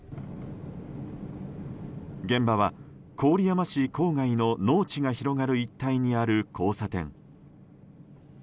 現場は郡山市郊外の農地が広がる一帯にある交差点。